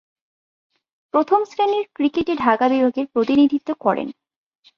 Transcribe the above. প্রথম-শ্রেণীর ক্রিকেটে ঢাকা বিভাগের প্রতিনিধিত্ব করেন।